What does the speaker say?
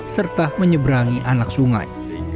serta menyeberangi anak sungai